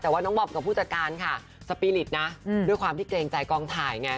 แต่ว่าน้องบอบกับผู้จัดการค่ะสปีริตนะด้วยความที่เกรงใจกองถ่ายไง